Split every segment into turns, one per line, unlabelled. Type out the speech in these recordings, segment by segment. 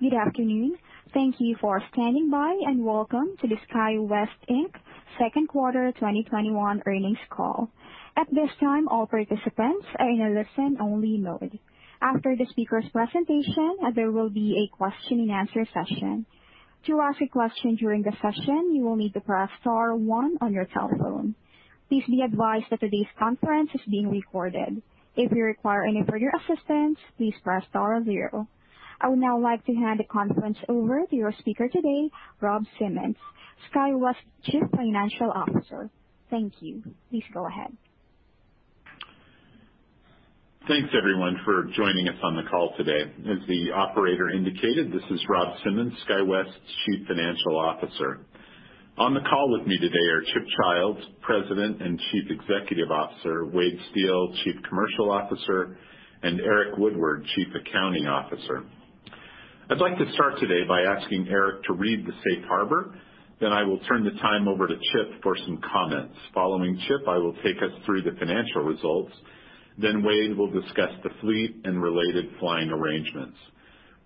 Good afternoon. Thank you for standing by, and welcome to the SkyWest, Inc. second quarter 2021 Earnings Call. At this time all participants are in Iisten-only mode. After the speakers presentation, there will be a Question-and-Answer session. To ask a question during the session, you will need to press star one on your telephone. Please be advised that today's conference is being recorded. If you require any operator assistance, please press star zero. I would now like to hand the conference over to your speaker today, Rob Simmons, SkyWest's Chief Financial Officer. Thank you. Please go ahead.
Thanks, everyone, for joining us on the call today. As the operator indicated, this is Rob Simmons, SkyWest's Chief Financial Officer. On the call with me today are Chip Childs, President and Chief Executive Officer, Wade Steel, Chief Commercial Officer, and Eric Woodward, Chief Accounting Officer. I'd like to start today by asking Eric to read the safe harbor, then I will turn the time over to Chip for some comments. Following Chip, I will take us through the financial results. Wade will discuss the fleet and related flying arrangements.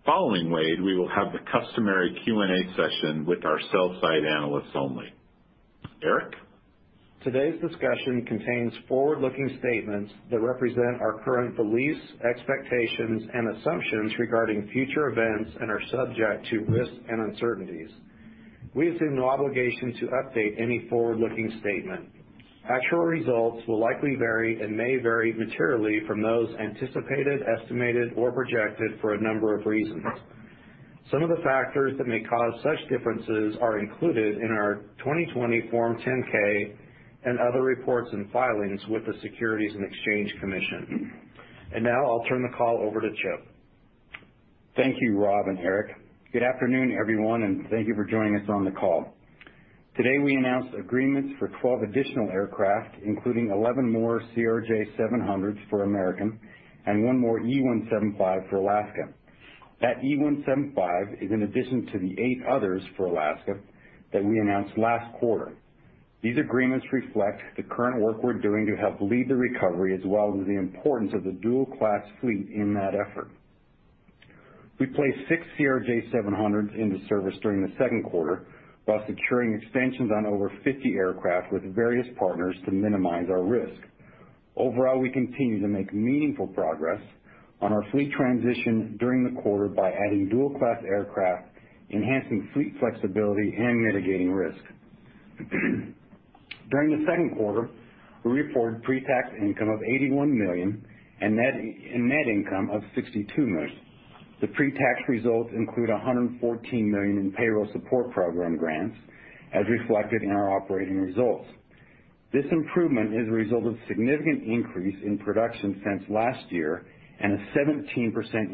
Following Wade, we will have the customary Q&A session with our sell-side analysts only. Eric?
Today's discussion contains forward-looking statements that represent our current beliefs, expectations, and assumptions regarding future events, and are subject to risks and uncertainties. We assume no obligation to update any forward-looking statement. Actual results will likely vary and may vary materially from those anticipated, estimated, or projected for a number of reasons. Some of the factors that may cause such differences are included in our 2020 Form 10-K and other reports and filings with the Securities and Exchange Commission. Now I'll turn the call over to Chip.
Thank you, Rob and Eric. Good afternoon, everyone, and thank you for joining us on the call. Today we announced agreements for 12 additional aircraft, including 11 more CRJ700s for American and one more E175 for Alaska. That E175 is in addition to the eight others for Alaska that we announced last quarter. These agreements reflect the current work we're doing to help lead the recovery, as well as the importance of the dual-class fleet in that effort. We placed six CRJ700 into service during the second quarter while securing extensions on over 50 aircraft with various partners to minimize our risk. Overall, we continue to make meaningful progress on our fleet transition during the quarter by adding dual-class aircraft, enhancing fleet flexibility, and mitigating risk. During the second quarter, we reported pre-tax income of $81 million and net income of $62 million. The pre-tax results include $114 million in Payroll Support Program grants as reflected in our operating results. This improvement is a result of significant increase in production since last year and a 17%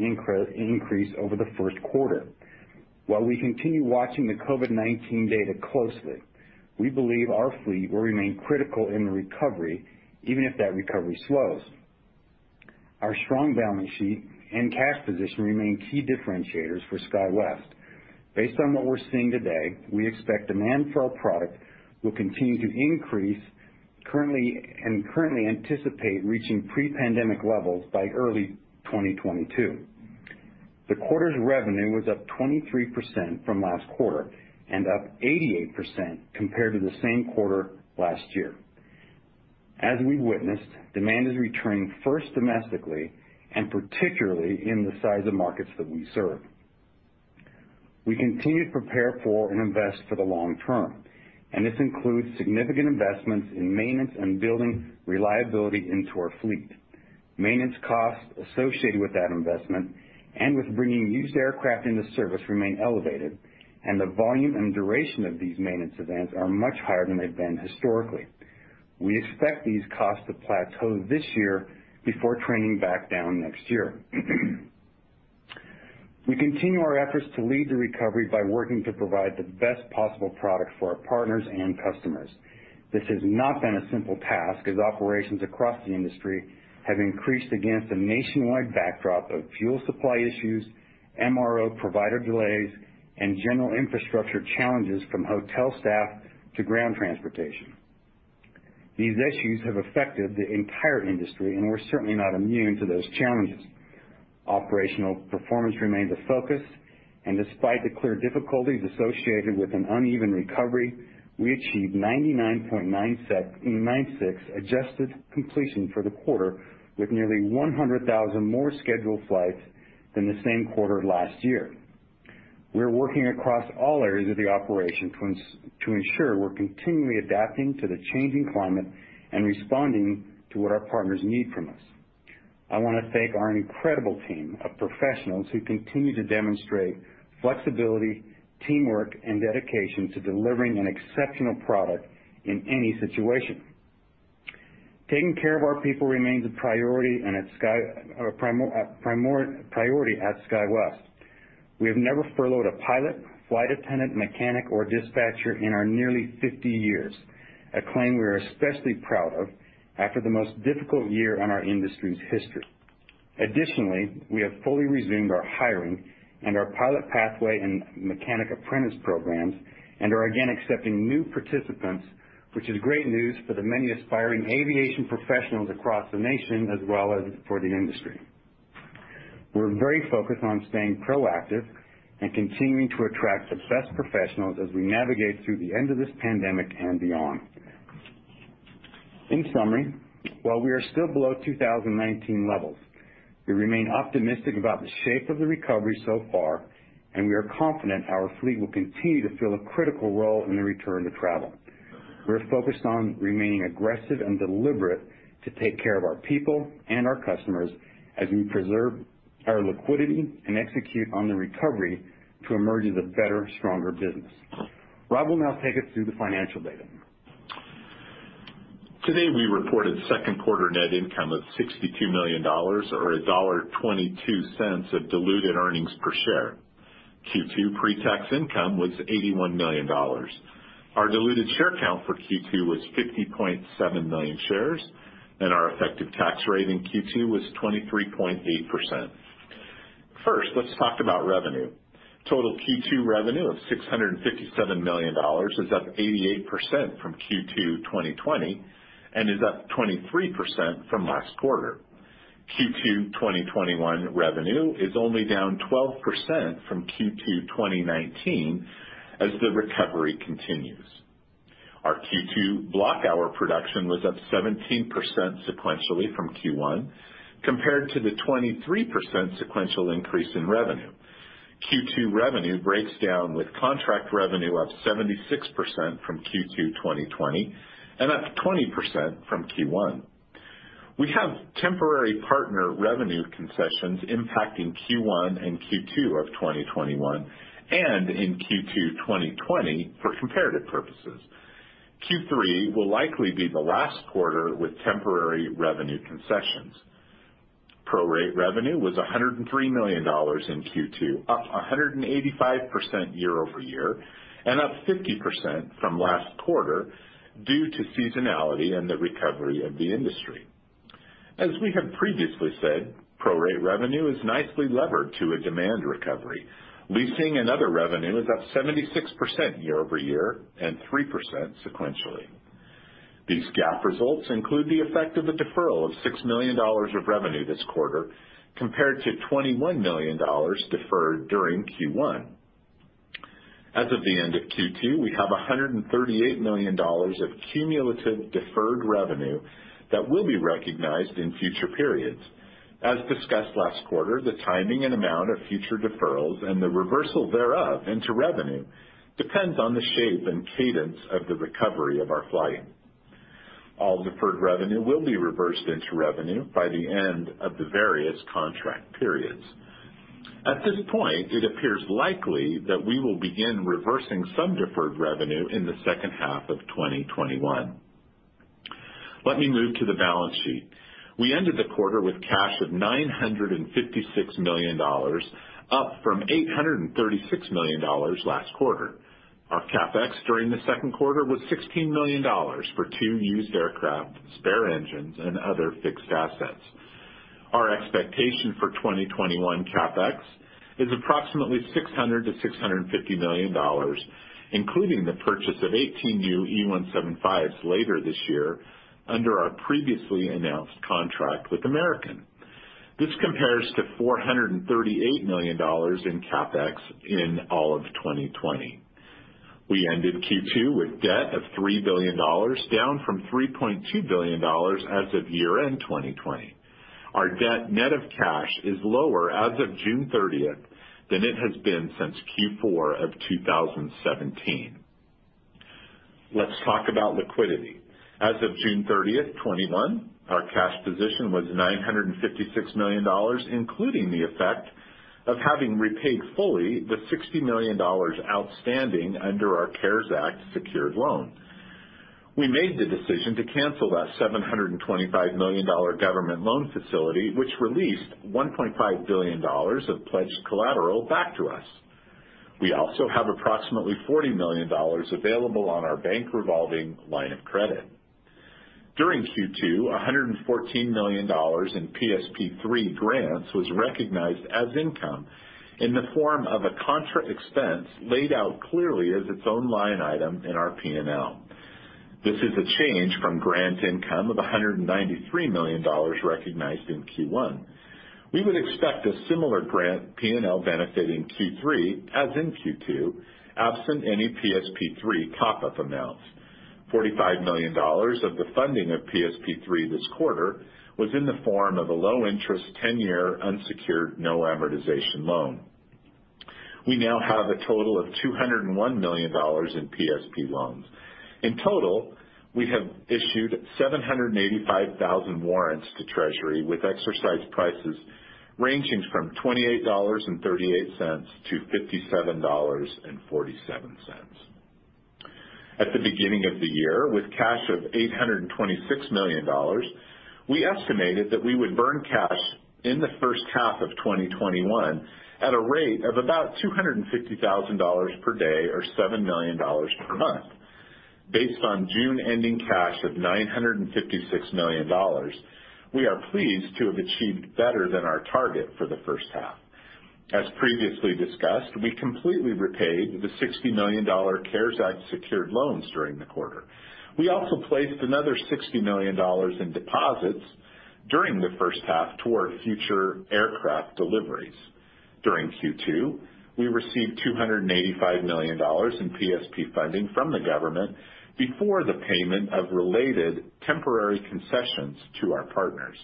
increase over the first quarter. While we continue watching the COVID-19 data closely, we believe our fleet will remain critical in the recovery even if that recovery slows. Our strong balance sheet and cash position remain key differentiators for SkyWest. Based on what we're seeing today, we expect demand for our product will continue to increase and currently anticipate reaching pre-pandemic levels by early 2022. The quarter's revenue was up 23% from last quarter and up 88% compared to the same quarter last year. As we've witnessed, demand is returning first domestically and particularly in the size of markets that we serve. We continue to prepare for and invest for the long term, and this includes significant investments in maintenance and building reliability into our fleet. Maintenance costs associated with that investment and with bringing used aircraft into service remain elevated, and the volume and duration of these maintenance events are much higher than they've been historically. We expect these costs to plateau this year before trending back down next year. We continue our efforts to lead the recovery by working to provide the best possible product for our partners and customers. This has not been a simple task as operations across the industry have increased against a nationwide backdrop of fuel supply issues, MRO provider delays, and general infrastructure challenges from hotel staff to ground transportation. These issues have affected the entire industry, and we're certainly not immune to those challenges. Operational performance remains a focus, and despite the clear difficulties associated with an uneven recovery, we achieved 99.96% adjusted completion for the quarter with nearly 100,000 more scheduled flights than the same quarter last year. We're working across all areas of the operation to ensure we're continually adapting to the changing climate and responding to what our partners need from us. I want to thank our incredible team of professionals who continue to demonstrate flexibility, teamwork, and dedication to delivering an exceptional product in any situation. Taking care of our people remains a priority at SkyWest. We have never furloughed a pilot, flight attendant, mechanic, or dispatcher in our nearly 50 years, a claim we're especially proud of after the most difficult year in our industry's history. Additionally, we have fully resumed our hiring and our pilot pathway and mechanic apprentice programs and are again accepting new participants, which is great news for the many aspiring aviation professionals across the nation as well as for the industry. We're very focused on staying proactive and continuing to attract the best professionals as we navigate through the end of this pandemic and beyond. In summary, while we are still below 2019 levels, we remain optimistic about the shape of the recovery so far, and we are confident our fleet will continue to fill a critical role in the return to travel. We're focused on remaining aggressive and deliberate to take care of our people and our customers as we preserve our liquidity and execute on the recovery to emerge as a better, stronger business. Rob will now take us through the financial data.
Today we reported second quarter net income of $62 million, or $1.22 of diluted earnings per share. Q2 pre-tax income was $81 million. Our diluted share count for Q2 was 50.7 million shares, and our effective tax rate in Q2 was 23.8%. First, let's talk about revenue. Total Q2 revenue of $657 million is up 88% from Q2 2020 and is up 23% from last quarter. Q2 2021 revenue is only down 12% from Q2 2019 as the recovery continues. Our Q2 block hour production was up 17% sequentially from Q1 compared to the 23% sequential increase in revenue. Q2 revenue breaks down with contract revenue up 76% from Q2 2020 and up 20% from Q1. We have temporary partner revenue concessions impacting Q1 and Q2 of 2021, and in Q2 2020 for comparative purposes. Q3 will likely be the last quarter with temporary revenue concessions. Prorate revenue was $103 million in Q2, up 185% year-over-year, and up 50% from last quarter due to seasonality and the recovery of the industry. As we have previously said, prorate revenue is nicely levered to a demand recovery. Leasing and other revenue is up 76% year-over-year and 3% sequentially. These GAAP results include the effect of a deferral of $6 million of revenue this quarter, compared to $21 million deferred during Q1. As of the end of Q2, we have $138 million of cumulative deferred revenue that will be recognized in future periods. As discussed last quarter, the timing and amount of future deferrals and the reversal thereof into revenue depends on the shape and cadence of the recovery of our flying. All deferred revenue will be reversed into revenue by the end of the various contract periods. At this point, it appears likely that we will begin reversing some deferred revenue in the second half of 2021. Let me move to the balance sheet. We ended the quarter with cash of $956 million, up from $836 million last quarter. Our CapEx during the second quarter was $16 million for two used aircraft, spare engines, and other fixed assets. Our expectation for 2021 CapEx is approximately $600 million-$650 million, including the purchase of 18 new E175s later this year under our previously announced contract with American. This compares to $438 million in CapEx in all of 2020. We ended Q2 with debt of $3 billion, down from $3.2 billion as of year-end 2020. Our debt net of cash is lower as of June 30th than it has been since Q4 of 2017. Let's talk about liquidity. As of June 30th, 2021, our cash position was $956 million, including the effect of having repaid fully the $60 million outstanding under our CARES Act secured loan. We made the decision to cancel that $725 million government loan facility, which released $1.5 billion of pledged collateral back to us. We also have approximately $40 million available on our bank revolving line of credit. During Q2, $114 million in PSP3 grants was recognized as income in the form of a contra expense laid out clearly as its own line item in our P&L. This is a change from grant income of $193 million recognized in Q1. We would expect a similar grant P&L benefit in Q3 as in Q2, absent any PSP3 top-up amounts. $45 million of the funding of PSP3 this quarter was in the form of a low interest, 10-year unsecured, no amortization loan. We now have a total of $201 million in PSP loans. In total, we have issued 785,000 warrants to Treasury with exercise prices ranging from $28.38-$57.47. At the beginning of the year, with cash of $826 million, we estimated that we would burn cash in the first half of 2021 at a rate of about $250,000 per day or $7 million per month. Based on June-ending cash of $956 million, we are pleased to have achieved better than our target for the first half. As previously discussed, we completely repaid the $60 million CARES Act secured loans during the quarter. We also placed another $60 million in deposits during the first half toward future aircraft deliveries. During Q2, we received $285 million in PSP funding from the government before the payment of related temporary concessions to our partners.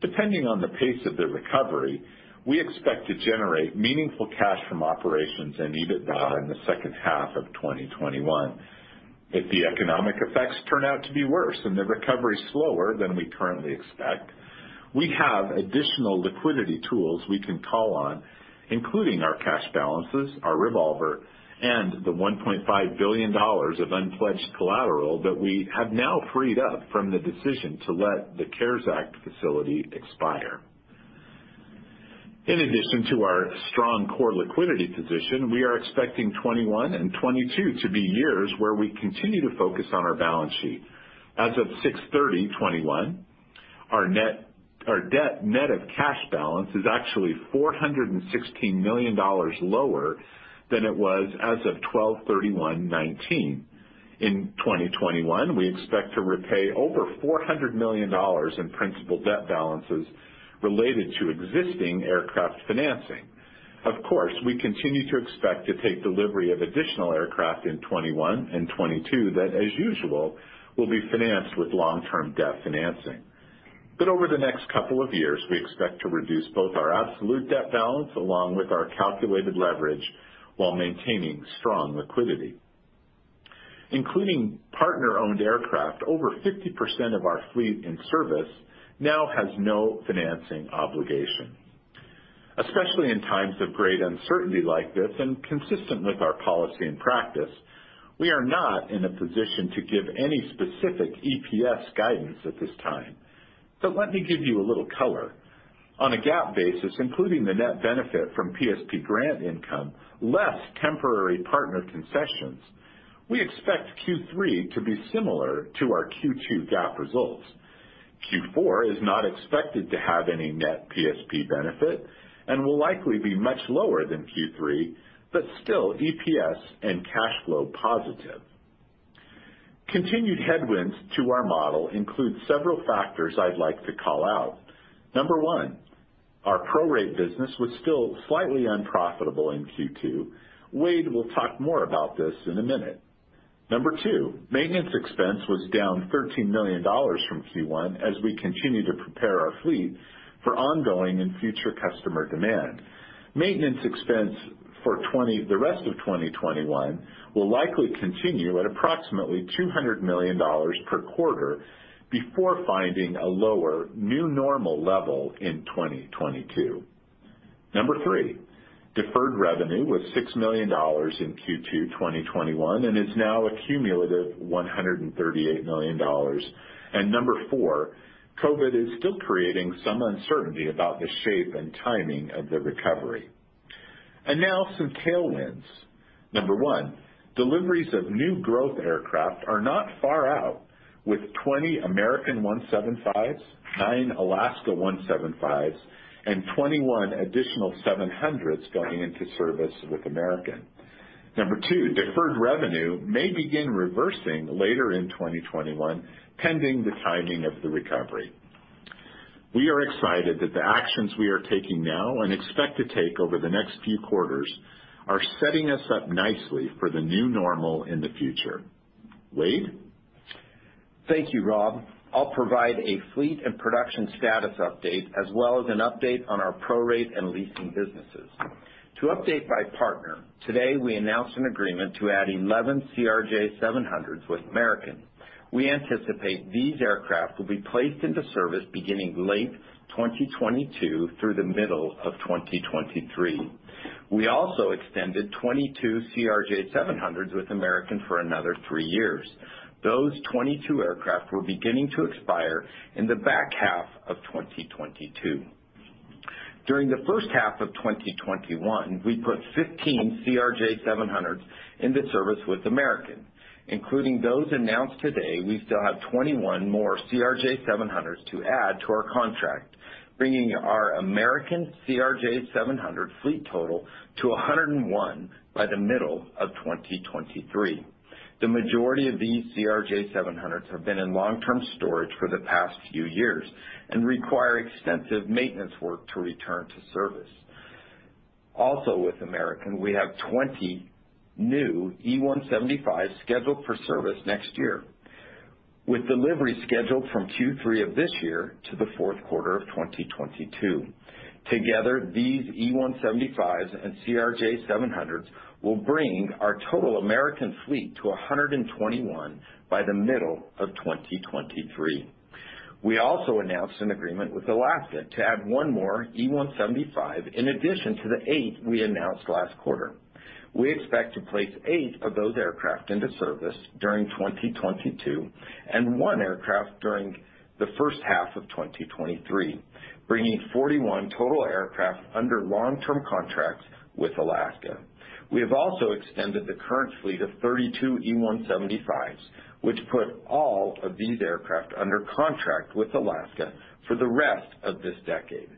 Depending on the pace of the recovery, we expect to generate meaningful cash from operations and EBITDA in the second half of 2021. If the economic effects turn out to be worse and the recovery is slower than we currently expect, we have additional liquidity tools we can call on, including our cash balances, our revolver, and the $1.5 billion of unpledged collateral that we have now freed up from the decision to let the CARES Act facility expire. In addition to our strong core liquidity position, we are expecting 2021 and 2022 to be years where we continue to focus on our balance sheet. As of 6/30/2021, our debt net of cash balance is actually $416 million lower than it was as of 12/31/2019. In 2021, we expect to repay over $400 million in principal debt balances related to existing aircraft financing. We continue to expect to take delivery of additional aircraft in 2021 and 2022 that, as usual, will be financed with long-term debt financing. Over the next couple of years, we expect to reduce both our absolute debt balance along with our calculated leverage while maintaining strong liquidity. Including partner-owned aircraft, over 50% of our fleet in service now has no financing obligation. Especially in times of great uncertainty like this and consistent with our policy and practice, we are not in a position to give any specific EPS guidance at this time. Let me give you a little color. On a GAAP basis, including the net benefit from PSP grant income, less temporary partner concessions, we expect Q3 to be similar to our Q2 GAAP results. Q4 is not expected to have any net PSP benefit and will likely be much lower than Q3, but still EPS and cash flow positive. Continued headwinds to our model include several factors I'd like to call out. No. one, our prorate business was still slightly unprofitable in Q2. Wade will talk more about this in a minute. No. two, maintenance expense was down $13 million from Q1 as we continue to prepare our fleet for ongoing and future customer demand. Maintenance expense for the rest of 2021 will likely continue at approximately $200 million per quarter before finding a lower new normal level in 2022. No. three, deferred revenue was $6 million in Q2 2021 and is now a cumulative $138 million. No. four, COVID is still creating some uncertainty about the shape and timing of the recovery. Now some tailwinds. Number one, deliveries of new growth aircraft are not far out, with 20 American E175s, nine Alaska E175s, and 21 additional CRJ700s going into service with American. Number two, deferred revenue may begin reversing later in 2021, pending the timing of the recovery. We are excited that the actions we are taking now and expect to take over the next few quarters are setting us up nicely for the new normal in the future. Wade?
Thank you, Rob. I'll provide a fleet and production status update as well as an update on our prorate and leasing businesses. To update by partner, today, we announced an agreement to add 11 CRJ700s with American. We anticipate these aircraft will be placed into service beginning late 2022 through the middle of 2023. We also extended 22 CRJ700s with American for another three years. Those 22 aircraft were beginning to expire in the back half of 2022. During the first half of 2021, we put 15 CRJ700s into service with American, including those announced today, we still have 21 more CRJ700s to add to our contract, bringing our American CRJ700 fleet total to 101 by the middle of 2023. The majority of these CRJ700s have been in long-term storage for the past few years and require extensive maintenance work to return to service. With American, we have 20 new E175s scheduled for service next year, with delivery scheduled from Q3 of this year to the fourth quarter of 2022. These E175s and CRJ700s will bring our total American fleet to 121 by the middle of 2023. We also announced an agreement with Alaska to add one more E175 in addition to the eight we announced last quarter. We expect to place eight of those aircraft into service during 2022 and one aircraft during the first half of 2023, bringing 41 total aircraft under long-term contracts with Alaska. We have also extended the current fleet of 32 E175s, which put all of these aircraft under contract with Alaska for the rest of this decade.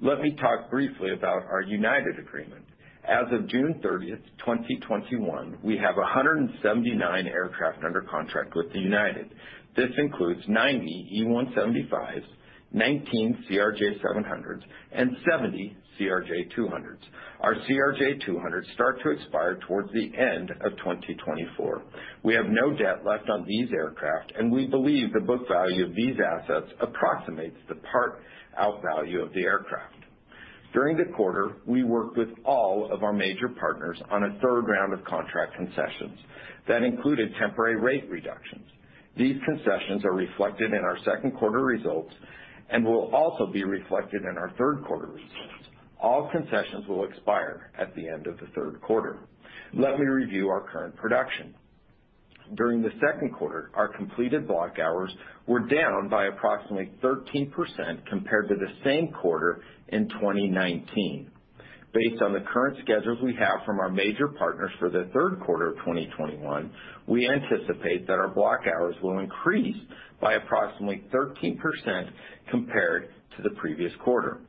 Let me talk briefly about our United agreement. As of June 30th, 2021, we have 179 aircraft under contract with United. This includes 90 E175s, 19 CRJ700s, and 70 CRJ200s. Our CRJ200s start to expire towards the end of 2024. We have no debt left on these aircraft, and we believe the book value of these assets approximates the part-out value of the aircraft. During the quarter, we worked with all of our major partners on a third round of contract concessions that included temporary rate reductions. These concessions are reflected in our second quarter results and will also be reflected in our third quarter results. All concessions will expire at the end of the third quarter. Let me review our current production. During the second quarter, our completed block hours were down by approximately 13% compared to the same quarter in 2019. Based on the current schedules we have from our major partners for the third quarter of 2021, we anticipate that our block hours will increase by approximately 13% compared to the previous quarter.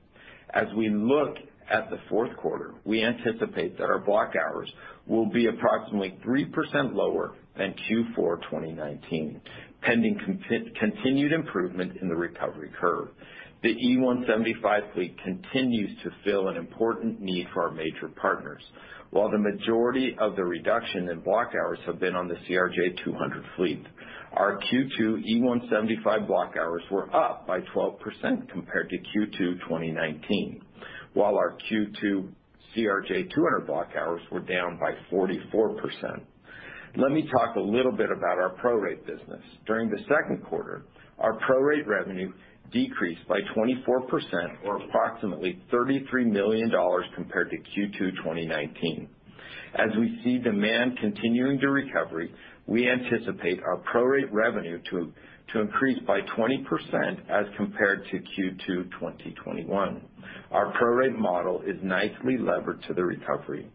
As we look at the fourth quarter, we anticipate that our block hours will be approximately 3% lower than Q4 2019, pending continued improvement in the recovery curve. The E175 fleet continues to fill an important need for our major partners. While the majority of the reduction in block hours have been on the CRJ200 fleet, our Q2 E175 block hours were up by 12% compared to Q2 2019. While our Q2 CRJ200 block hours were down by 44%. Let me talk a little bit about our prorate business. During the second quarter, our prorate revenue decreased by 24%, or approximately $33 million compared to Q2 2019. As we see demand continuing to recovery, we anticipate our prorate revenue to increase by 20% as compared to Q2 2021. Our prorate model is nicely levered to the recovery.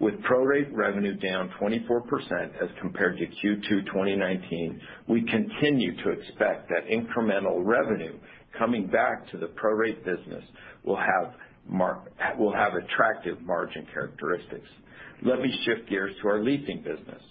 With prorate revenue down 24% as compared to Q2 2019, we continue to expect that incremental revenue coming back to the prorate business will have attractive margin characteristics. Let me shift gears to our leasing business.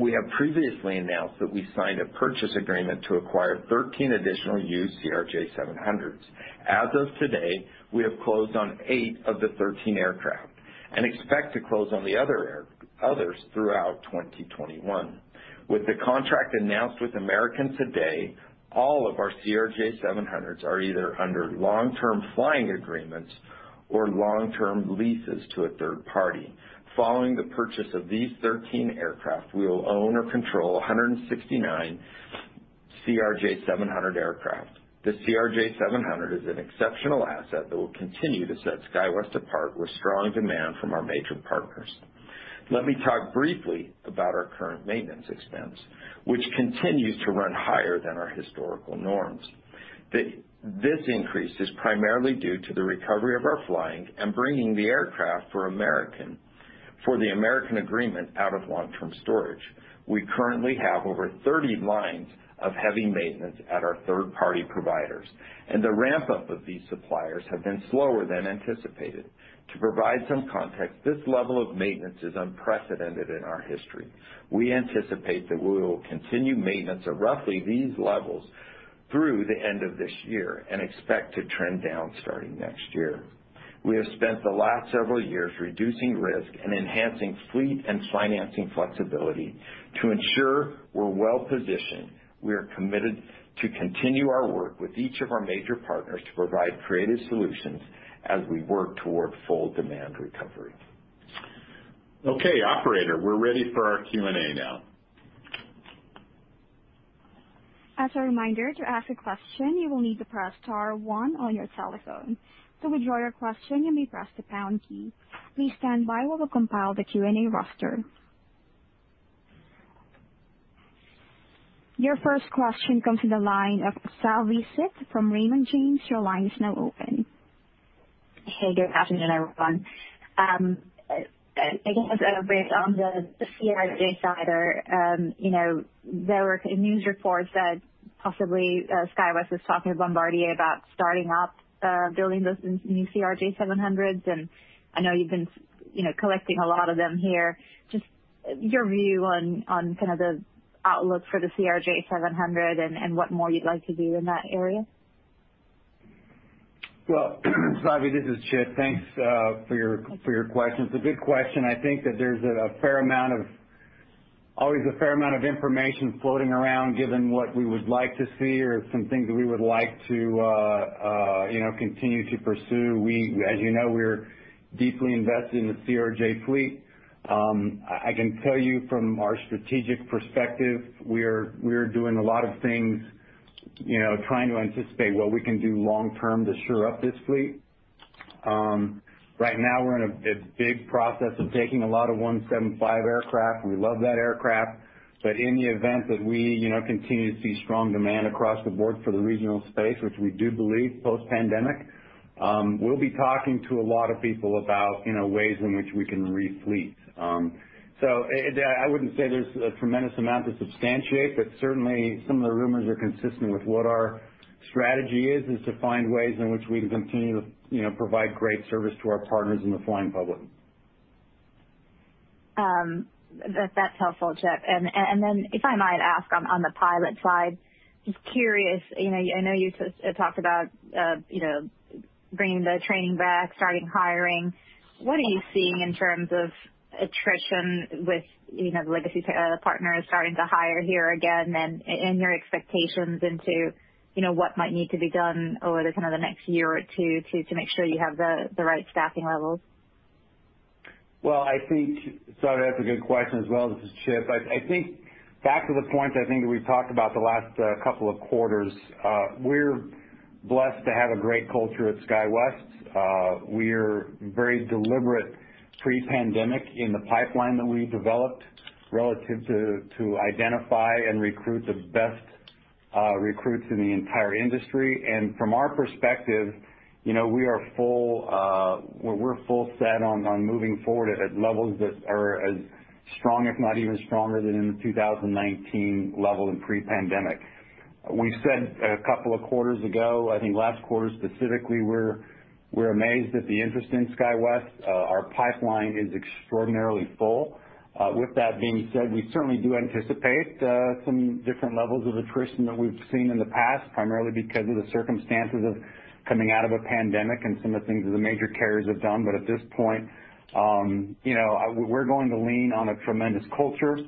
We have previously announced that we signed a purchase agreement to acquire 13 additional used CRJ700s. As of today, we have closed on eight of the 13 aircraft and expect to close on the others throughout 2021. With the contract announced with American today, all of our CRJ700s are either under long-term flying agreements or long-term leases to a third party. Following the purchase of these 13 aircraft, we will own or control 169 CRJ700 aircraft. The CRJ700 is an exceptional asset that will continue to set SkyWest apart with strong demand from our major partners. Let me talk briefly about our current maintenance expense, which continues to run higher than our historical norms. This increase is primarily due to the recovery of our flying and bringing the aircraft for the American agreement out of long-term storage. We currently have over 30 lines of heavy maintenance at our third-party providers, and the ramp-up of these suppliers has been slower than anticipated. To provide some context, this level of maintenance is unprecedented in our history. We anticipate that we will continue maintenance of roughly these levels through the end of this year and expect to trend down starting next year. We have spent the last several years reducing risk and enhancing fleet and financing flexibility to ensure we're well-positioned. We are committed to continue our work with each of our major partners to provide creative solutions as we work toward full demand recovery. Okay, operator, we're ready for our Q&A now.
As a reminder, to ask a question you will need to press star one on your telephone. To withdraw your question, you may press the pound key. Please stand by while we compile the Q&A roster. Your first question comes from the line of Savi Syth from Raymond James. Your line is now open.
Hey, good afternoon, everyone. Again, on the CRJ side, there were news reports that possibly SkyWest was talking to Bombardier about starting up building those new CRJ700s, and I know you've been collecting a lot of them here. Just your view on kind of the outlook for the CRJ700 and what more you'd like to do in that area?
Well, Savi, this is Chip. Thanks for your question. It's a good question. I think that there's always a fair amount of information floating around given what we would like to see or some things that we would like to continue to pursue. As you know, we're deeply invested in the CRJ fleet. I can tell you from our strategic perspective, we are doing a lot of things, trying to anticipate what we can do long term to shore up this fleet. Right now we're in a big process of taking a lot of 175 aircraft, and we love that aircraft. But in the event that we continue to see strong demand across the board for the regional space, which we do believe post-pandemic, we'll be talking to a lot of people about ways in which we can re-fleet. I wouldn't say there's a tremendous amount to substantiate, but certainly some of the rumors are consistent with what our strategy is to find ways in which we can continue to provide great service to our partners and the flying public.
That's helpful, Chip. If I might ask on the pilot side, just curious, I know you talked about bringing the training back, starting hiring. What are you seeing in terms of attrition with legacy partners starting to hire here again and your expectations into what might need to be done over the next year or two to make sure you have the right staffing levels?
Savi, that's a good question as well. This is Chip. I think back to the point that we've talked about the last couple of quarters. We're blessed to have a great culture at SkyWest. We're very deliberate pre-pandemic in the pipeline that we developed relative to identify and recruit the best recruits in the entire industry. From our perspective, we're full set on moving forward at levels that are as strong, if not even stronger than in the 2019 level in pre-pandemic. We said a couple of quarters ago, I think last quarter specifically, we're amazed at the interest in SkyWest. Our pipeline is extraordinarily full. With that being said, we certainly do anticipate some different levels of attrition than we've seen in the past, primarily because of the circumstances of coming out of a pandemic and some of the things that the major carriers have done. At this point, we're going to lean on a tremendous culture.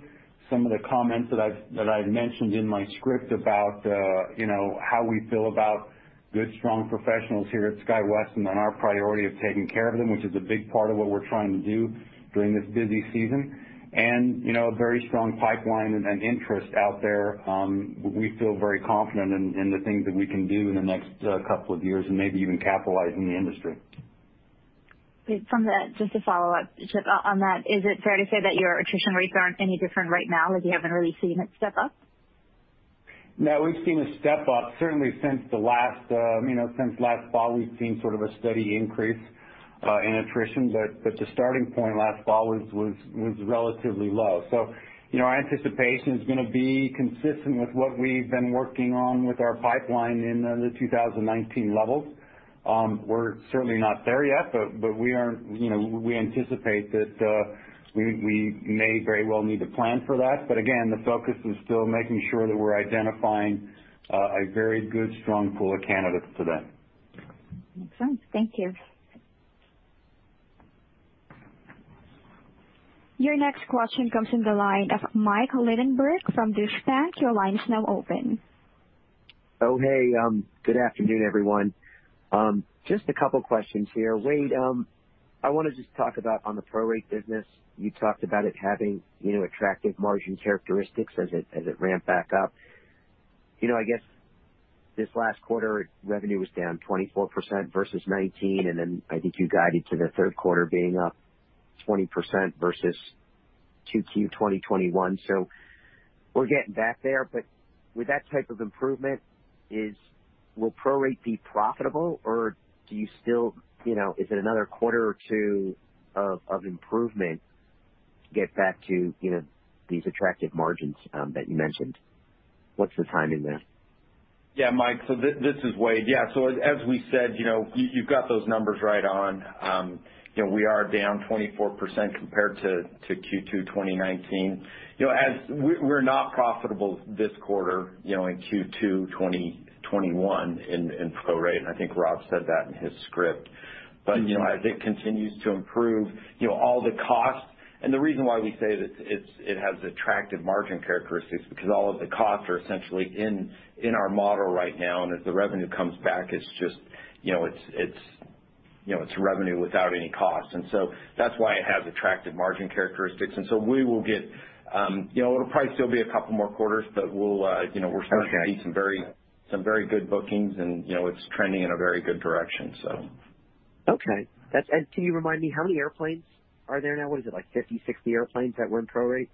Some of the comments that I've mentioned in my script about how we feel about good, strong professionals here at SkyWest and on our priority of taking care of them, which is a big part of what we're trying to do during this busy season. A very strong pipeline and interest out there. We feel very confident in the things that we can do in the next couple of years and maybe even capitalize in the industry.
Great. Just a follow-up, Chip, on that, is it fair to say that your attrition rates aren't any different right now? That you haven't really seen it step up?
No, we've seen a step up, certainly since last fall, we've seen sort of a steady increase in attrition. The starting point last fall was relatively low. Our anticipation is going to be consistent with what we've been working on with our pipeline in the 2019 levels. We're certainly not there yet, but we anticipate that we may very well need to plan for that. Again, the focus is still making sure that we're identifying a very good, strong pool of candidates today.
Makes sense. Thank you.
Your next question comes from the line of Mike Linenberg from Deutsche Bank. Your line is now open.
Oh, hey. Good afternoon, everyone. Just a couple of questions here. Wade, I want to just talk about on the prorate business. You talked about it having attractive margin characteristics as it ramped back up. I guess this last quarter, revenue was down 24% versus 2019. I think you guided to the third quarter being up 20% versus 2Q 2021. We're getting back there, but with that type of improvement, will prorate be profitable, or is it another quarter or two of improvement to get back to these attractive margins that you mentioned? What's the timing there?
Mike, this is Wade. As we said, you've got those numbers right on. We are down 24% compared to Q2 2019. We're not profitable this quarter in Q2 2021 in prorate, and I think Rob said that in his script. As it continues to improve, all the costs, and the reason why we say that it has attractive margin characteristics, because all of the costs are essentially in our model right now, and as the revenue comes back, it's revenue without any cost. That's why it has attractive margin characteristics. It'll probably still be a couple more quarters.
Okay
To see some very good bookings, and it's trending in a very good direction.
Okay. Can you remind me how many airplanes are there now? What is it, like 50, 60 airplanes that were in prorate?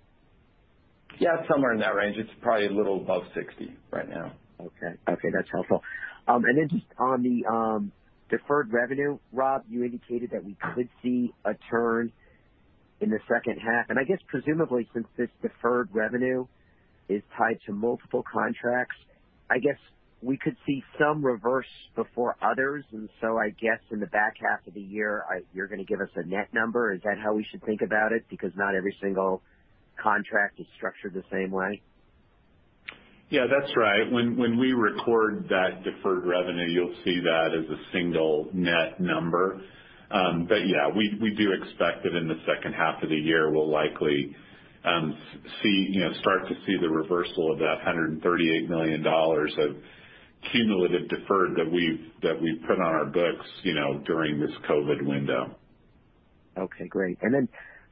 Yeah, somewhere in that range. It's probably a little above 60 right now.
Okay. That's helpful. Just on the deferred revenue, Rob, you indicated that we could see a turn in the second half. I guess presumably since this deferred revenue is tied to multiple contracts, I guess we could see some reverse before others. I guess in the back half of the year, you're going to give us a net number. Is that how we should think about it? Because not every single contract is structured the same way.
Yeah, that's right. When we record that deferred revenue, you'll see that as a single net number. Yeah, we do expect that in the second half of the year, we'll likely start to see the reversal of that $138 million of cumulative deferred that we've put on our books during this COVID window.
Okay, great.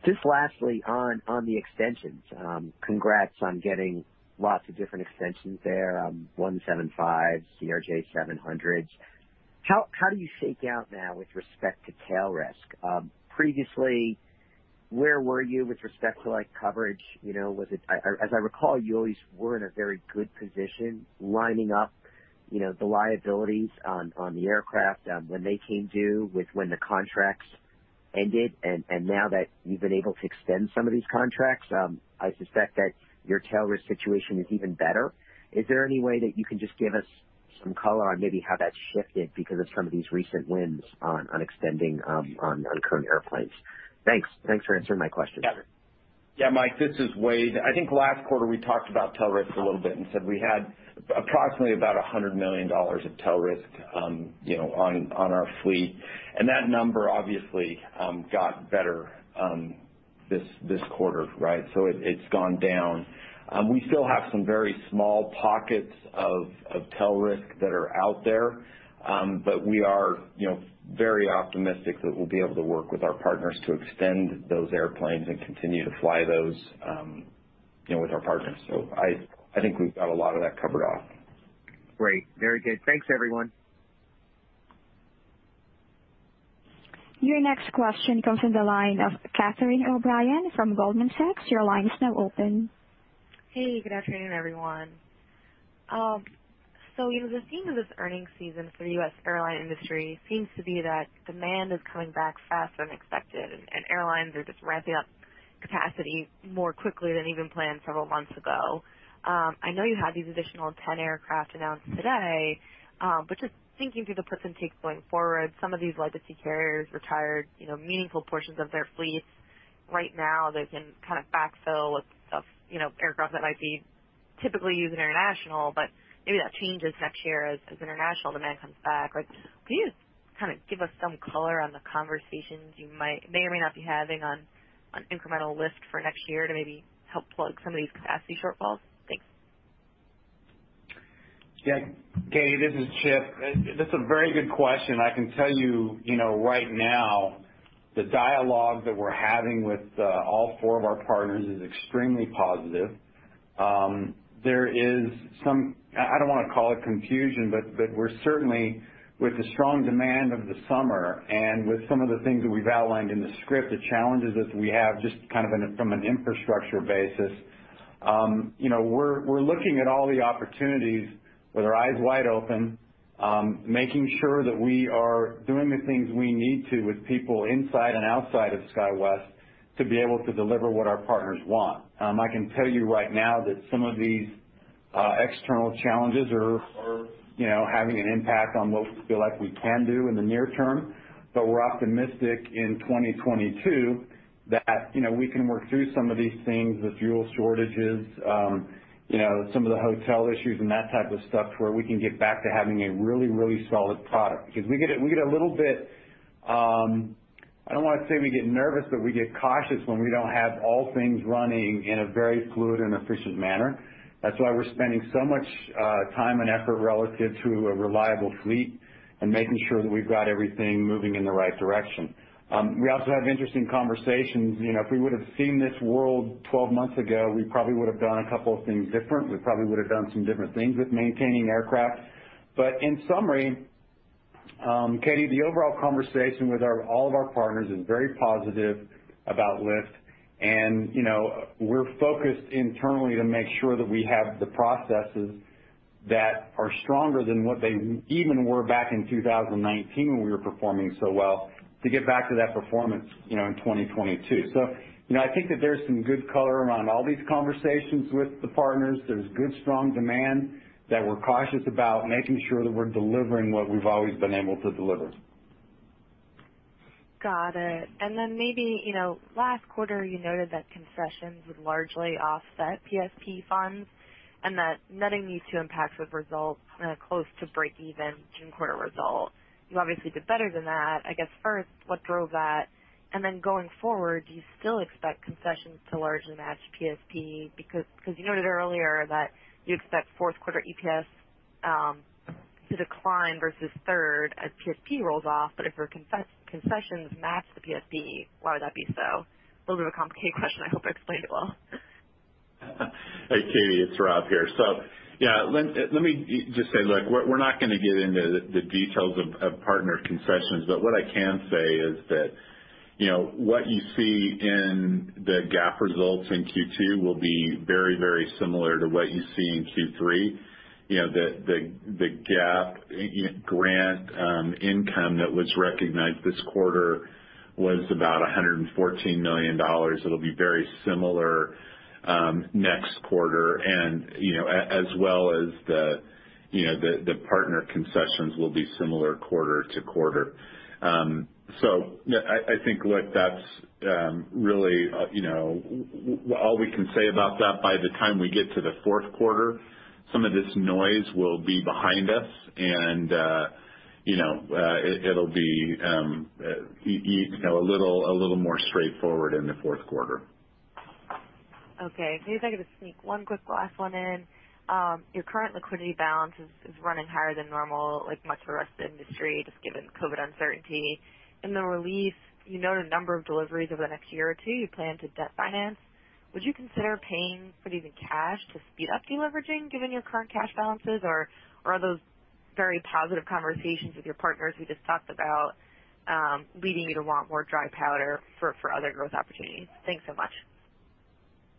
Just lastly on the extensions, congrats on getting lots of different extensions there, 175, CRJ700. How do you shake out now with respect to tail risk? Previously, where were you with respect to coverage? As I recall, you always were in a very good position lining up the liabilities on the aircraft when they came due with when the contracts ended. Now that you've been able to extend some of these contracts, I suspect that your tail risk situation is even better. Is there any way that you can just give us some color on maybe how that's shifted because of some of these recent wins on extending on current airplanes? Thanks. Thanks for answering my questions.
Yeah. Mike, this is Wade. I think last quarter we talked about tail risk a little bit and said we had approximately about $100 million of tail risk on our fleet. That number obviously got better this quarter. It's gone down. We still have some very small pockets of tail risk that are out there. We are very optimistic that we'll be able to work with our partners to extend those airplanes and continue to fly those with our partners. I think we've got a lot of that covered off.
Great. Very good. Thanks, everyone.
Your next question comes from the line of Catherine O'Brien from Goldman Sachs. Your line is now open.
Hey, good afternoon, everyone. The theme of this earnings season for the U.S. airline industry seems to be that demand is coming back faster than expected, and airlines are just ramping up capacity more quickly than even planned several months ago. I know you had these additional 10 aircraft announced today. Just thinking through the perspectives going forward, some of these legacy carriers retired meaningful portions of their fleets. Right now, they can backfill with stuff, aircraft that might be typically used international. Maybe that changes next year as international demand comes back. Can you just give us some color on the conversations you may or may not be having on incremental lift for next year to maybe help plug some of these capacity shortfalls? Thanks.
Yeah. Katie, this is Chip. That's a very good question. I can tell you right now the dialogue that we're having with all four of our partners is extremely positive. There is some, I don't want to call it confusion, but we're certainly with the strong demand of the summer and with some of the things that we've outlined in the script, the challenges that we have just from an infrastructure basis. We're looking at all the opportunities with our eyes wide open, making sure that we are doing the things we need to with people inside and outside of SkyWest to be able to deliver what our partners want. I can tell you right now that some of these external challenges are having an impact on what we feel like we can do in the near term. We're optimistic in 2022 that we can work through some of these things, the fuel shortages, some of the hotel issues, and that type of stuff to where we can get back to having a really solid product. We get a little bit, I don't want to say we get nervous, but we get cautious when we don't have all things running in a very fluid and efficient manner. That's why we're spending so much time and effort relative to a reliable fleet and making sure that we've got everything moving in the right direction. We also have interesting conversations. If we would've seen this world 12 months ago, we probably would've done a couple of things differently. We probably would've done some different things with maintaining aircraft. In summary, Katie, the overall conversation with all of our partners is very positive about lift, and we're focused internally to make sure that we have the processes that are stronger than what they even were back in 2019 when we were performing so well to get back to that performance in 2022. I think that there's some good color around all these conversations with the partners. There's good, strong demand that we're cautious about making sure that we're delivering what we've always been able to deliver.
Got it. Last quarter you noted that concessions would largely offset PSP funds and that netting these two impacts would result in a close to breakeven June quarter result. You obviously did better than that. I guess, first, what drove that? Going forward, do you still expect concessions to largely match PSP? You noted earlier that you expect fourth quarter EPS to decline versus third as PSP rolls off, if your concessions match the PSP, why would that be so? A little bit of a complicated question. I hope I explained it well.
Hey, Katie, it's Rob here. Yeah, let me just say, look, we're not going to get into the details of partner concessions, but what I can say is that what you see in the GAAP results in Q2 will be very similar to what you see in Q3. The GAAP grant income that was recognized this quarter was about $114 million. It'll be very similar next quarter, and as well as the partner concessions will be similar quarter to quarter. I think that's really all we can say about that. By the time we get to the fourth quarter, some of this noise will be behind us and it'll be a little more straightforward in the fourth quarter.
Okay. Maybe if I could just sneak one quick last one in. Your current liquidity balance is running higher than normal, like much of the rest of the industry, just given COVID uncertainty. In the release, you noted a number of deliveries over the next year or two you plan to debt finance. Would you consider paying for it using cash to speed up de-leveraging given your current cash balances? Are those very positive conversations with your partners we just talked about leading you to want more dry powder for other growth opportunities? Thanks so much.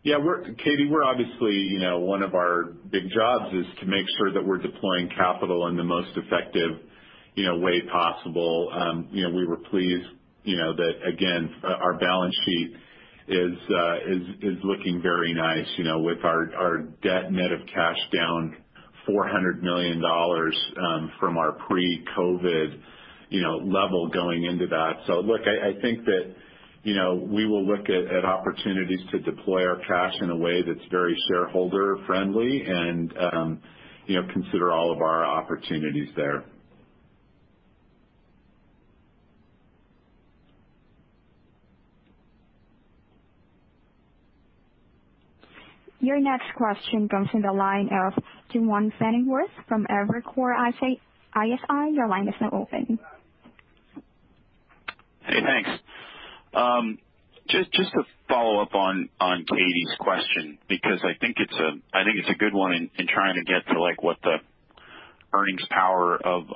Katie, obviously, one of our big jobs is to make sure that we're deploying capital in the most effective way possible. We were pleased that, again, our balance sheet is looking very nice, with our debt net of cash down $400 million from our pre-COVID level going into that. Look, I think that we will look at opportunities to deploy our cash in a way that's very shareholder friendly and consider all of our opportunities there.
Your next question comes from the line of Duane Pfennigwerth from Evercore ISI. Your line is now open.
Hey, thanks. Just to follow up on Katie's question, because I think it's a good one in trying to get to what the earnings power of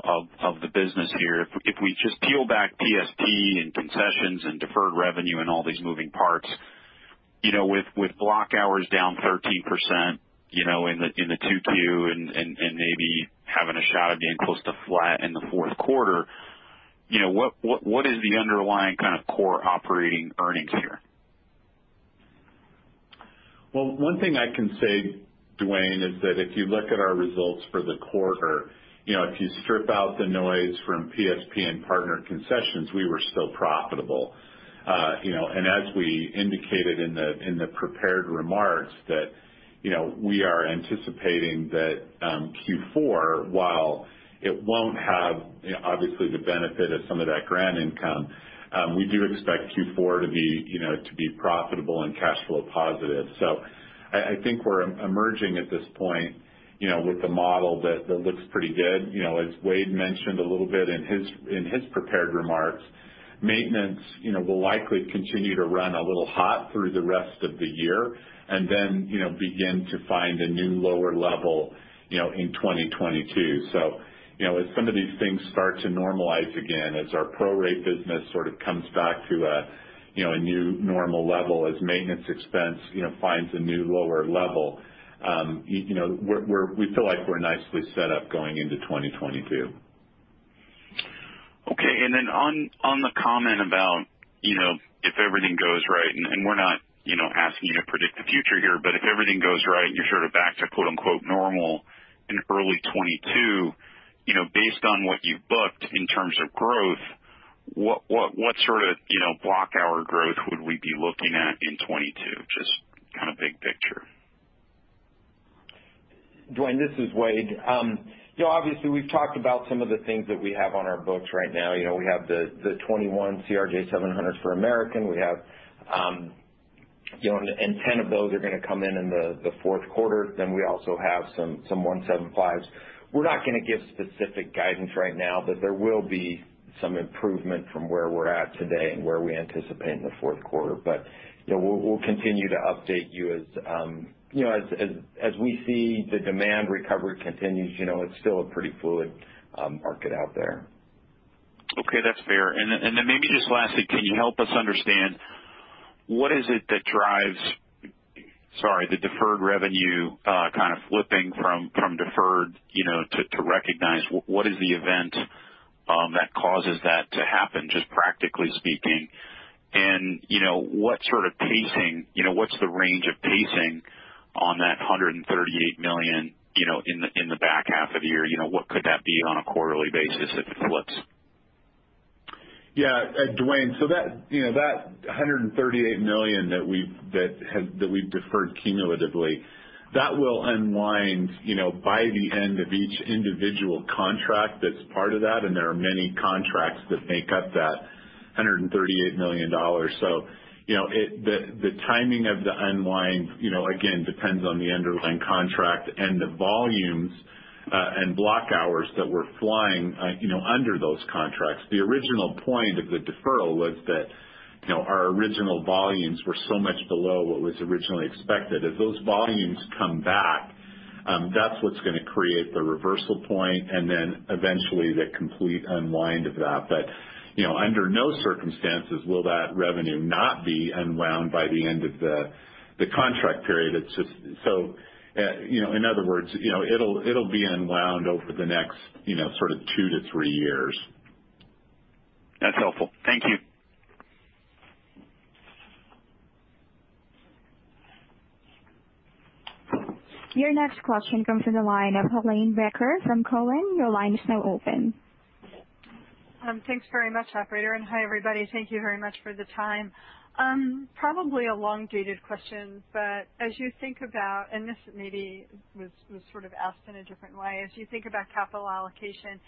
the business here. If we just peel back PSP and concessions and deferred revenue and all these moving parts, with block hours down 13% in the 2Q, maybe having a shot of being close to flat in the fourth quarter, what is the underlying kind of core operating earnings here?
One thing I can say, Duane, is that if you look at our results for the quarter, if you strip out the noise from PSP and partner concessions, we were still profitable. As we indicated in the prepared remarks that we are anticipating that Q4, while it won't have, obviously, the benefit of some of that grant income, we do expect Q4 to be profitable and cash flow positive. I think we're emerging at this point with a model that looks pretty good. As Wade mentioned a little bit in his prepared remarks, maintenance will likely continue to run a little hot through the rest of the year and then begin to find a new lower level in 2022. As some of these things start to normalize again, as our prorate business sort of comes back to a new normal level, as maintenance expense finds a new lower level, we feel like we're nicely set up going into 2022.
Okay. On the comment about if everything goes right, and we're not asking you to predict the future here, if everything goes right and you're sort of back to quote unquote "normal" in early 2022, based on what you've booked in terms of growth, what sort of block hour growth would we be looking at in 2022? Just kind of big picture.
Duane, this is Wade. We've talked about some of the things that we have on our books right now. We have the 21 CRJ700s for American, 10 of those are going to come in in the fourth quarter. We also have some 175s. We're not going to give specific guidance right now, there will be some improvement from where we're at today and where we anticipate in the fourth quarter. We'll continue to update you as we see the demand recovery continues. It's still a pretty fluid market out there.
Okay. That's fair. Then maybe just lastly, can you help us understand what is it that drives the deferred revenue kind of flipping from deferred to recognize? What is the event that causes that to happen, just practically speaking? What sort of pacing, what's the range of pacing on that $138 million in the back half of the year? What could that be on a quarterly basis if it flips?
Yeah. Duane Pfennigwerth, that $138 million that we've deferred cumulatively, that will unwind by the end of each individual contract that's part of that, and there are many contracts that make up that $138 million. The timing of the unwind, again, depends on the underlying contract and the volumes and block hours that we're flying under those contracts. The original point of the deferral was that our original volumes were so much below what was originally expected. As those volumes come back, that's what's going to create the reversal point, and then eventually the complete unwind of that. Under no circumstances will that revenue not be unwound by the end of the contract period. In other words, it'll be unwound over the next sort of two to three years.
That's helpful. Thank you.
Your next question comes from the line of Helane Becker from Cowen.
Thanks very much, operator, and hi, everybody. Thank you very much for the time. Probably a long-dated question, but as you think about, and this maybe was sort of asked in a different way, as you think about capital allocation,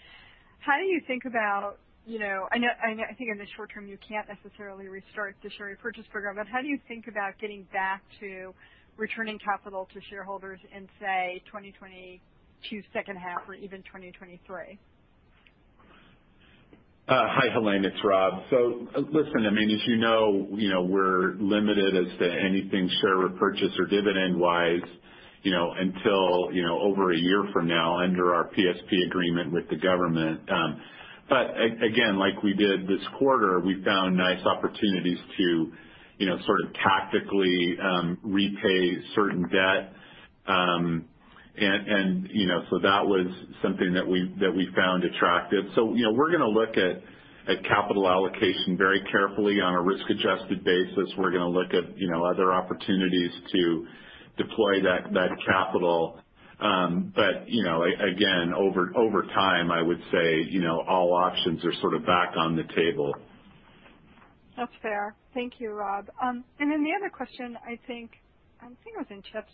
how do you think about I think in the short term, you can't necessarily restart the share repurchase program, but how do you think about getting back to returning capital to shareholders in, say, 2022 second half or even 2023?
Hi, Helane. It's Rob. Listen, as you know, we're limited as to anything share repurchase or dividend-wise, until over a year from now under our PSP agreement with the government. Again, like we did this quarter, we found nice opportunities to sort of tactically repay certain debt. That was something that we found attractive. We're going to look at capital allocation very carefully on a risk-adjusted basis. We're going to look at other opportunities to deploy that capital. Again, over time, I would say all options are sort of back on the table.
That's fair. Thank you, Rob. The other question, I think it was in Chip's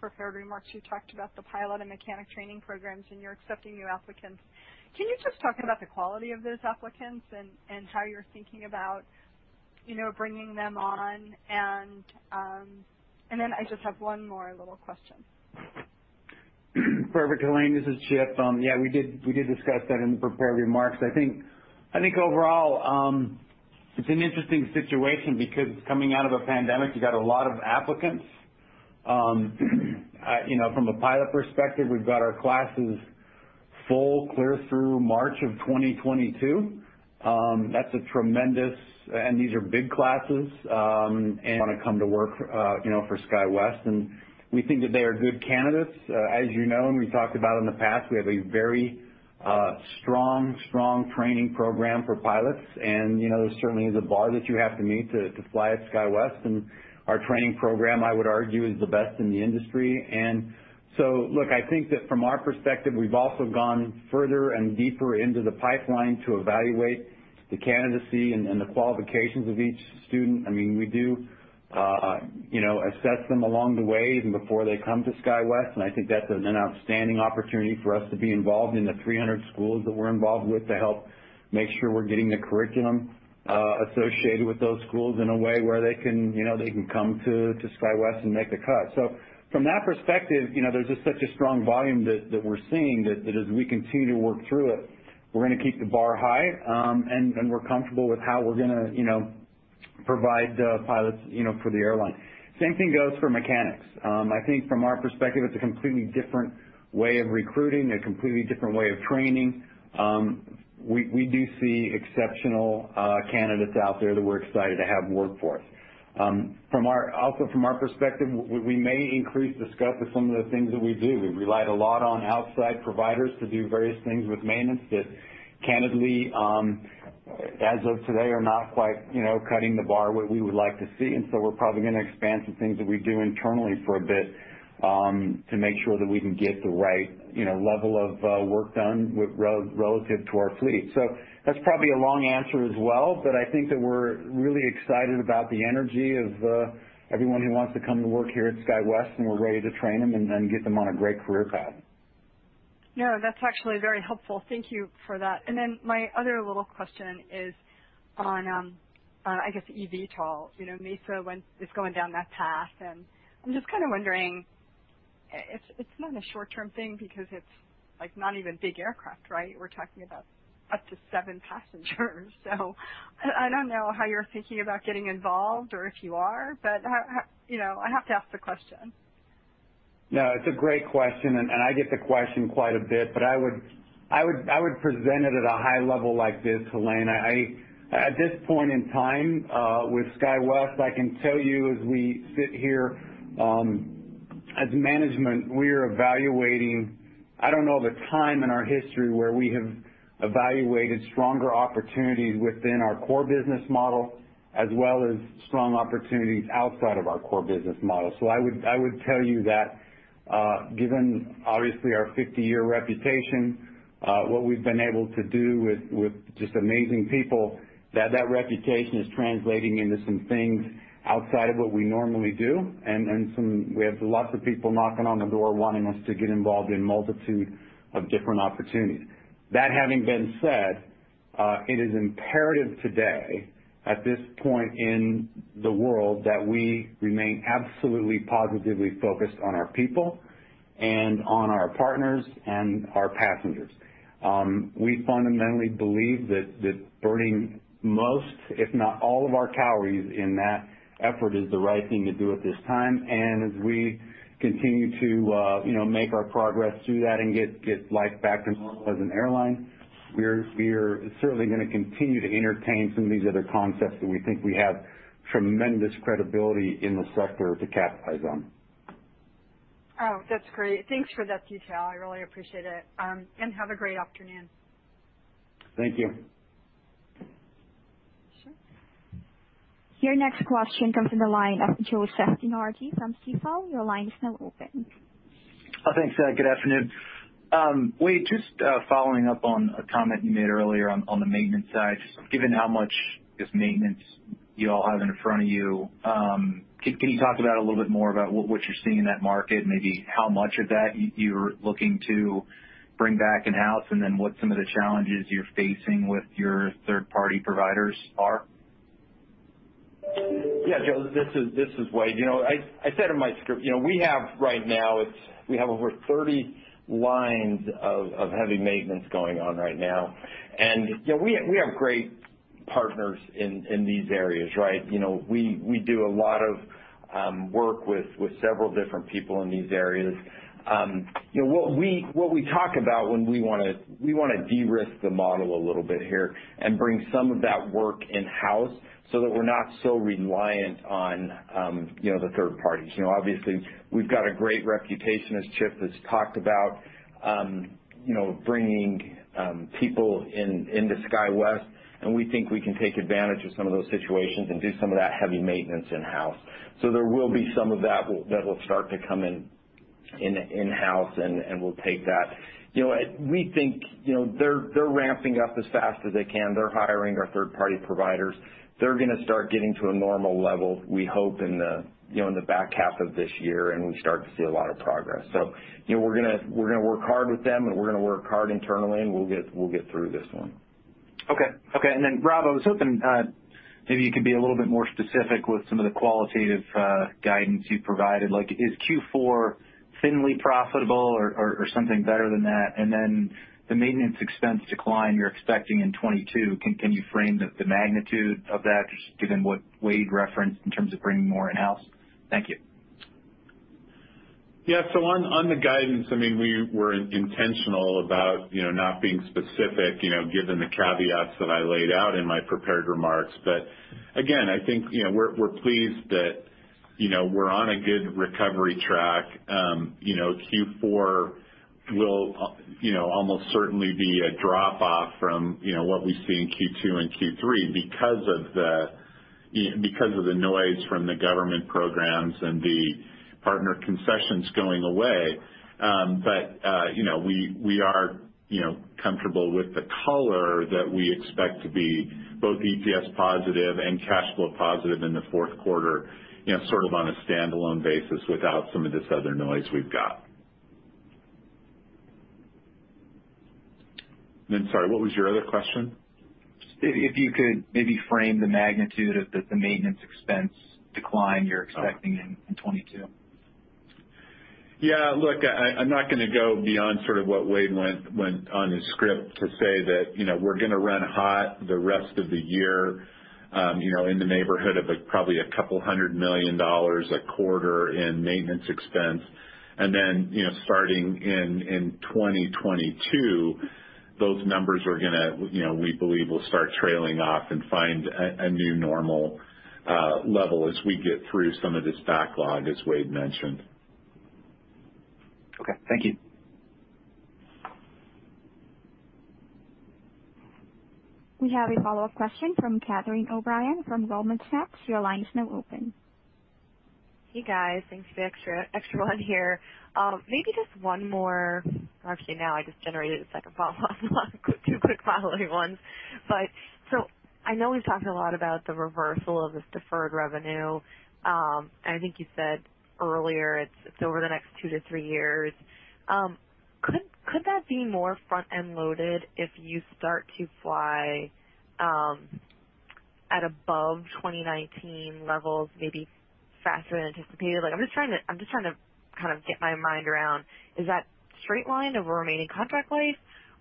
prepared remarks. You talked about the pilot and mechanic training programs, and you're accepting new applicants. Can you just talk about the quality of those applicants and how you're thinking about bringing them on? I just have one more little question.
Perfect, Helane. This is Chip. Yeah, we did discuss that in the prepared remarks. I think overall, it's an interesting situation because coming out of a pandemic, you got a lot of applicants. From a pilot perspective, we've got our classes full clear through March of 2022. That's tremendous, and these are big classes, want to come to work for SkyWest, and we think that they are good candidates. As you know, and we talked about in the past, we have a very strong training program for pilots, and there certainly is a bar that you have to meet to fly at SkyWest, and our training program, I would argue, is the best in the industry. Look, I think that from our perspective, we've also gone further and deeper into the pipeline to evaluate the candidacy and the qualifications of each student. We do assess them along the way, even before they come to SkyWest, and I think that's an outstanding opportunity for us to be involved in the 300 schools that we're involved with to help make sure we're getting the curriculum associated with those schools in a way where they can come to SkyWest and make the cut. From that perspective, there's just such a strong volume that we're seeing that as we continue to work through it, we're going to keep the bar high, and we're comfortable with how we're going to provide pilots for the airline. Same thing goes for mechanics. I think from our perspective, it's a completely different way of recruiting, a completely different way of training. We do see exceptional candidates out there that we're excited to have work for us. Also, from our perspective, we may increase the scope of some of the things that we do. We've relied a lot on outside providers to do various things with maintenance that candidly, as of today, are not quite cutting the bar what we would like to see. We're probably going to expand some things that we do internally for a bit to make sure that we can get the right level of work done relative to our fleet. That's probably a long answer as well, but I think that we're really excited about the energy of everyone who wants to come to work here at SkyWest, and we're ready to train them and get them on a great career path.
No, that's actually very helpful. Thank you for that. My other little question is on, I guess, eVTOL. Mesa is going down that path, and I'm just kind of wondering, it's not a short-term thing because it's not even big aircraft, right? We're talking about up to seven passengers. I don't know how you're thinking about getting involved or if you are, but I have to ask the question.
No, it's a great question, and I get the question quite a bit, but I would present it at a high level like this, Helane. At this point in time with SkyWest, I can tell you as we sit here as management, we are evaluating. I don't know of a time in our history where we have evaluated stronger opportunities within our core business model as well as strong opportunities outside of our core business model. I would tell you that given obviously our 50-year reputation, what we've been able to do with just amazing people, that that reputation is translating into some things outside of what we normally do, and we have lots of people knocking on the door wanting us to get involved in a multitude of different opportunities. That having been said, it is imperative today, at this point in the world, that we remain absolutely positively focused on our people and on our partners and our passengers. We fundamentally believe that burning most, if not all of our calories in that effort is the right thing to do at this time. As we continue to make our progress through that and get life back to normal as an airline, we're certainly going to continue to entertain some of these other concepts that we think we have tremendous credibility in the sector to capitalize on.
Oh, that's great. Thanks for that detail. I really appreciate it. Have a great afternoon.
Thank you.
Sure.
Your next question comes from the line of Joseph DeNardi from Stifel.
Thanks. Good afternoon. Wade, just following up on a comment you made earlier on the maintenance side. Given how much just maintenance you all have in front of you, can you talk about a little bit more about what you're seeing in that market and maybe how much of that you're looking to bring back in-house, and then what some of the challenges you're facing with your third-party providers are?
Yeah, Joe, this is Wade. I said in my script, we have over 30 lines of heavy maintenance going on right now. We have great partners in these areas. We do a lot of work with several different people in these areas. What we talk about when we want to de-risk the model a little bit here and bring some of that work in-house so that we're not so reliant on the third parties. Obviously, we've got a great reputation as Chip has talked about, bringing people into SkyWest, and we think we can take advantage of some of those situations and do some of that heavy maintenance in-house. There will be some of that that will start to come in-house, and we'll take that. We think they're ramping up as fast as they can. They're hiring our third-party providers. They're going to start getting to a normal level, we hope, in the back half of this year, and we start to see a lot of progress. We're going to work hard with them, and we're going to work hard internally, and we'll get through this one.
Okay. Rob, I was hoping maybe you could be a little bit more specific with some of the qualitative guidance you've provided. Is Q4 thinly profitable or something better than that? The maintenance expense decline you're expecting in 2022, can you frame the magnitude of that, just given what Wade referenced in terms of bringing more in-house? Thank you.
Yeah. On the guidance, we were intentional about not being specific, given the caveats that I laid out in my prepared remarks. Again, I think we're pleased that we're on a good recovery track. Q4 will almost certainly be a drop-off from what we see in Q2 and Q3 because of the noise from the government programs and the partner concessions going away. We are comfortable with the color that we expect to be both EPS positive and cash flow positive in the fourth quarter on a standalone basis without some of this other noise we've got. Sorry, what was your other question?
If you could maybe frame the magnitude of the maintenance expense decline you're expecting in 2022?
Yeah, look, I'm not going to go beyond what Wade went on his script to say that we're going to run hot the rest of the year in the neighborhood of probably a couple hundred million dollars a quarter in maintenance expense. Then starting in 2022, those numbers we believe will start trailing off and find a new normal level as we get through some of this backlog, as Wade mentioned.
Okay. Thank you.
We have a follow-up question from Catherine O'Brien from Goldman Sachs. Your line is now open.
Hey, guys. Thanks. The extra one here. Maybe just one more. Actually, now I just generated a second follow-up. Two quick follow-up ones. I know we've talked a lot about the reversal of this deferred revenue. I think you said earlier it's over the next two to three years. Could that be more front-end loaded if you start to fly at above 2019 levels, maybe faster than anticipated? I'm just trying to kind of get my mind around, is that straight line of a remaining contract life,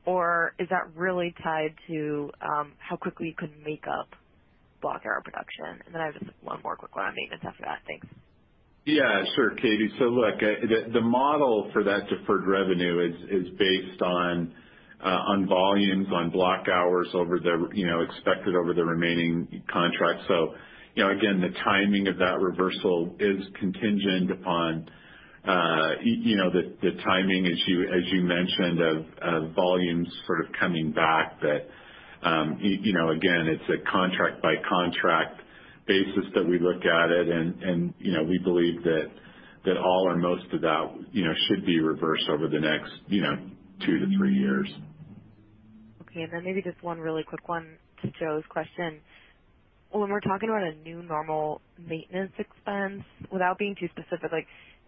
or is that really tied to how quickly you can make up block hour production? I have just one more quick one on maintenance after that. Thanks.
Yeah, sure, Katie. Look, the model for that deferred revenue is based on volumes on block hours expected over the remaining contract. Again, the timing of that reversal is contingent upon the timing, as you mentioned, of volumes sort of coming back. Again, it's a contract-by-contract basis that we look at it, and we believe that all or most of that should be reversed over the next two to three years.
Okay. Maybe just one really quick one to Joe's question. When we're talking about a new normal maintenance expense, without being too specific,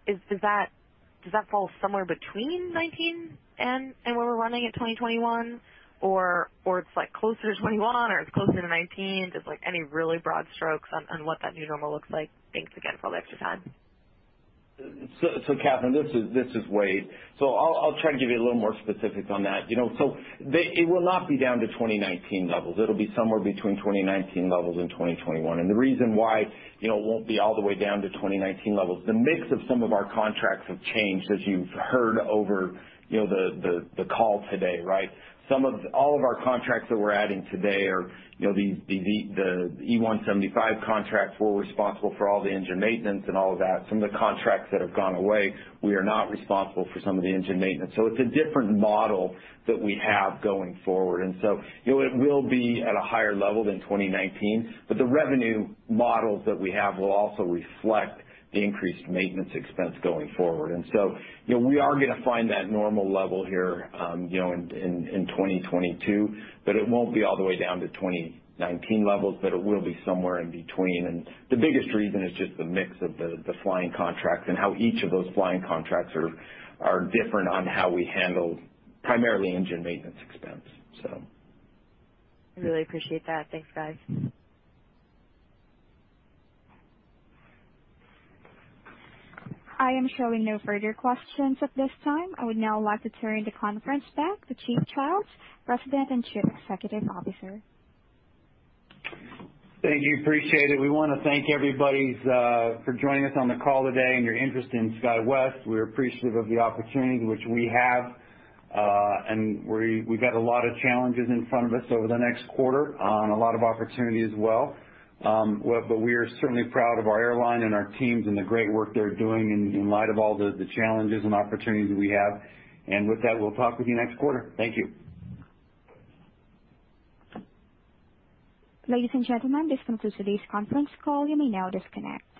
does that fall somewhere between 2019 and where we're running at 2021, or it's closer to 2021, or it's closer to 2019? Just any really broad strokes on what that new normal looks like. Thanks again for all the extra time.
Catherine, this is Wade. I'll try to give you a little more specifics on that. It will not be down to 2019 levels. It'll be somewhere between 2019 levels and 2021. The reason why it won't be all the way down to 2019 levels, the mix of some of our contracts have changed as you've heard over the call today. All of our contracts that we're adding today are the E175 contracts. We're responsible for all the engine maintenance and all of that. Some of the contracts that have gone away, we are not responsible for some of the engine maintenance. It's a different model that we have going forward. It will be at a higher level than 2019, but the revenue models that we have will also reflect the increased maintenance expense going forward. We are going to find that normal level here in 2022, but it won't be all the way down to 2019 levels, but it will be somewhere in between. The biggest reason is just the mix of the flying contracts and how each of those flying contracts are different on how we handle primarily engine maintenance expense.
I really appreciate that. Thanks, guys.
I am showing no further questions at this time. I would now like to turn the conference back to Chip Childs, President and Chief Executive Officer.
Thank you. Appreciate it. We want to thank everybody for joining us on the call today and your interest in SkyWest. We're appreciative of the opportunity which we have. We've got a lot of challenges in front of us over the next quarter and a lot of opportunity as well. We are certainly proud of our airline and our teams and the great work they're doing in light of all the challenges and opportunities we have. With that, we'll talk with you next quarter. Thank you.
Ladies and gentlemen, this concludes today's conference call. You may now disconnect.